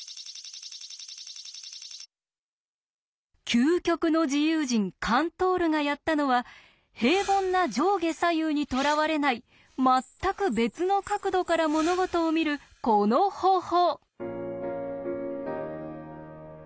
究極の自由人カントールがやったのは平凡な上下左右にとらわれないまったく別の角度から物事を見るこの方法！